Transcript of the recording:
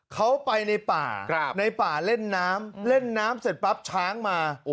เขาไปในป่าในป่าเล่นน้ำเล่นน้ำเสร็จปั๊บช้างมา